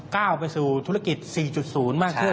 ก้าวไปสู่ธุรกิจ๔๐มากขึ้น